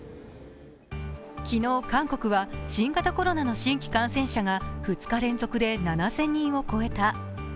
昨日、韓国は新型コロナの新規感染者が２日連続で７０００人を超えた。